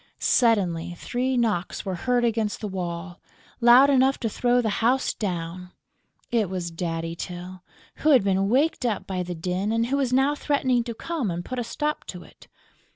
Suddenly, three knocks were heard against the wall, loud enough to throw the house down! It was Daddy Tyl, who had been waked up by the din and who was now threatening to come and put a stop to it.